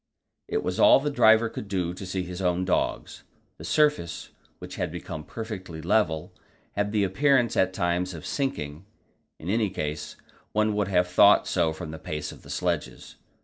It was all the driver could do to see his own dogs. The surface, which had become perfectly level, had the appearance at times of sinking; in any case, one would have thought so from the pace of the sledges.